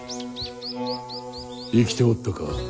生きておったか。